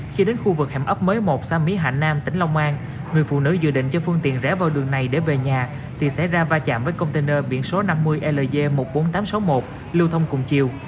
khi đến khu vực hẻm ấp mới một xã mỹ hạ nam tỉnh long an người phụ nữ dự định cho phương tiện rẽ vào đường này để về nhà thì xảy ra va chạm với container biển số năm mươi lg một mươi bốn nghìn tám trăm sáu mươi một lưu thông cùng chiều